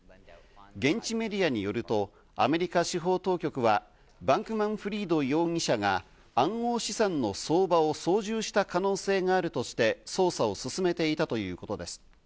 現地メディアによると、アメリカ司法当局はバンクマン・フリード容疑者が暗号資産の相場を操縦した可能性があるとして捜査を進めていたということです。